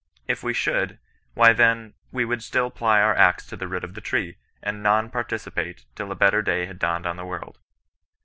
If we should, why then, we would still ply our axe to the root of the tree, and nonrpartidpate till a bettcjr day had dawned on the world.